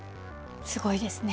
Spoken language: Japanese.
すごいですね。